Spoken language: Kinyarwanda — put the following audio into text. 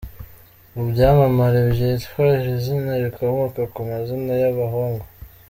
Mu byamamare byitwa iri zina rikomoka ku mazina y’abahungu